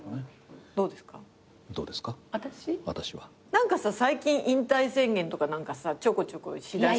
何かさ最近引退宣言とかちょこちょこしだして。